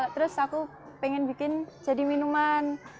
terus aku pengen bikin jadi minuman